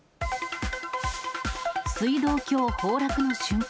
水道橋崩落の瞬間。